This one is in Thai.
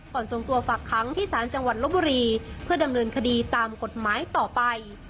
ส่งตัวฝากค้างที่ศาลจังหวัดลบบุรีเพื่อดำเนินคดีตามกฎหมายต่อไป